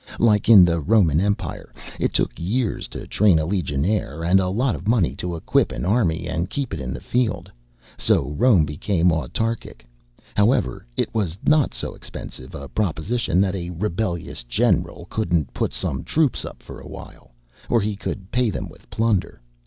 Like in the Roman Empire. It took years to train a legionnaire and a lot of money to equip an army and keep it in the field. So Rome became autarchic. However, it was not so expensive a proposition that a rebellious general couldn't put some troops up for a while or he could pay them with plunder.